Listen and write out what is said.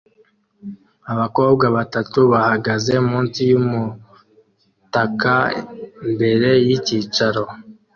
Abakobwa batatu bahagaze munsi yumutaka mbere yicyiciro